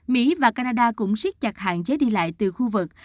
mỹ và canada cũng siết chặt hạn chế đi lại từ khu vực